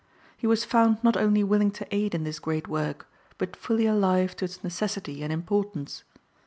He was found not only willing to aid in this great work, but fully alive to its necessity and importance.